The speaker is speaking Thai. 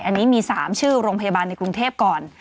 อันนี้มี๓ชื่อโรงพยาบาลในกรุงเทพก่อน